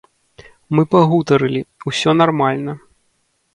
Мы пагутарылі, усё нармальна.